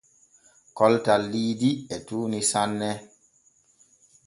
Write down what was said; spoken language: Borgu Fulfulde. Koltal Liidi e tuuni sanne.